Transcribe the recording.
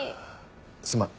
すまん。